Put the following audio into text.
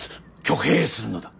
挙兵するのだ。